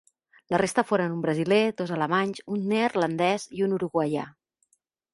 La resta foren un brasiler, dos alemanys, un neerlandès i un uruguaià.